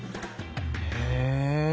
へえ。